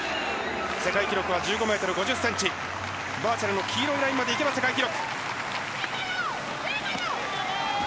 世界記録は１５ｍ５０ｃｍ、バーチャルの黄色ラインまで行きますと大記録。